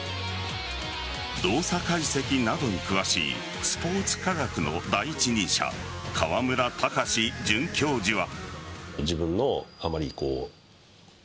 動作解析などに詳しいスポーツ科学の第一人者川村卓准教授は。